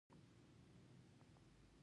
آیا د ویکادور کان پخوانی دی؟